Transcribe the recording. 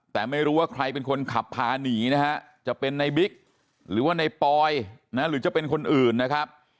แต่ไม่รู้ว่าใครเป็นคนขับพาหนีนะฮะจะเป็นในบิ๊กหรือว่าในปอยนะหรือจะเป็นคนอื่นนะครับ